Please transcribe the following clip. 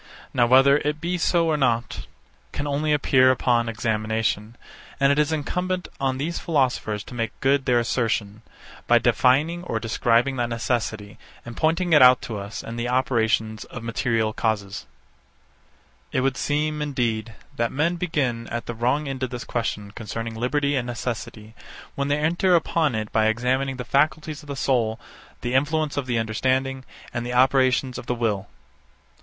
Now whether it be so or not, can only appear upon examination; and it is incumbent on these philosophers to make good their assertion, by defining or describing that necessity, and pointing it out to us in the operations of material causes. 72. It would seem, indeed, that men begin at the wrong end of this question concerning liberty and necessity, when they enter upon it by examining the faculties of the soul, the influence of the understanding, and the operations of the will.